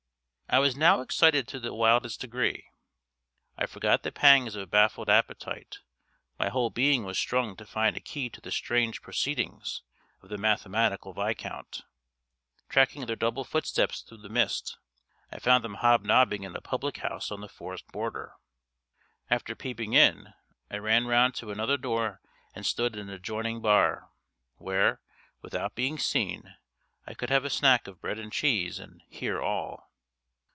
I was now excited to the wildest degree; I forgot the pangs of baffled appetite; my whole being was strung to find a key to the strange proceedings of the mathematical Viscount. Tracking their double footsteps through the mist, I found them hobnobbing in a public house on the forest border. After peeping in, I ran round to another door, and stood in an adjoining bar, where, without being seen, I could have a snack of bread and cheese, and hear all.